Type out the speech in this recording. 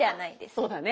そうだね。